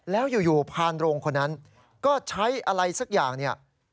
แล้วอยู่พานโรงคนนั้นก็ใช้อะไรสักอย่างเนี่ย